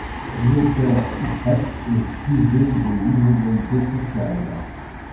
L'auteur y traite le sujet de l'inégalité sociale.